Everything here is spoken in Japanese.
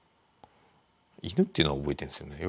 犬っていうのは覚えてるんですよね。